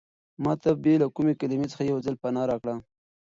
ما ته بې له کومې کلمې څخه یو ځل پناه راکړه.